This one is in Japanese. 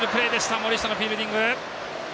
森下のフィールディング。